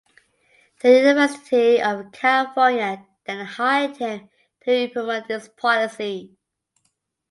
The University of California then hired him to implement this policy.